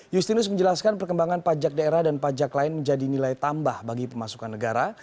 justinus menjelaskan perkembangan pajak daerah dan pajak lain menjadi nilai tambah bagi pemasukan negara